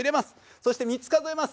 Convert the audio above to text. そして３つ数えます。